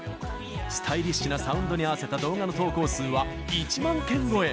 スタイリッシュなサウンドに合わせた動画の投稿数は１万件超え！